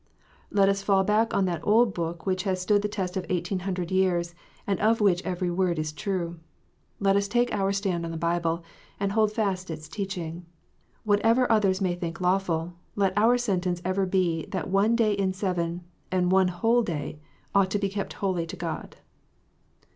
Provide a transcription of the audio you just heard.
Let us fall back on that old Book which has stood the test of eighteen hundred years, and of which every word is true. Let us take our stand on the Bible, and hold fast its teaching. Whatever others may think lawful, let our sentence ever be that one day in seven, and one whole day, ought to be kept holy to God.